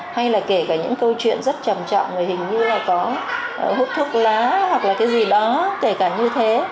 hay là kể cả những câu chuyện rất trầm trọng và hình như là có hút thuốc lá hoặc là cái gì đó kể cả như thế